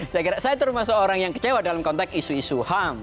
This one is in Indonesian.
saya kira saya termasuk orang yang kecewa dalam konteks isu isu ham